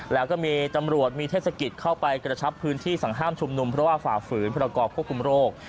แล้วก็มีตำรวจมีเทศกิจเข้าไปกระชับพื้นที่สั่งห้ามชุมนุมเพราะว่าฝ่าฝืนพรกรควบคุมโรค